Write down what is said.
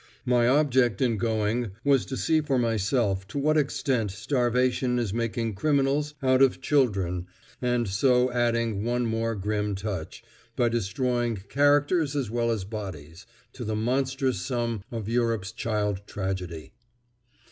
My object in going was to see for myself to what extent starvation is making criminals out of children and so adding one more grim touch, by destroying characters as well as bodies, to the monstrous sum of Europe's child tragedy.